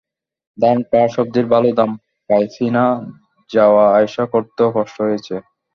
ধান, পাট, সবজির ভালো দাম পাইছি না, যাওয়া-আইসা করতেও কষ্ট হয়ছে।